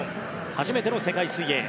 初めての世界水泳。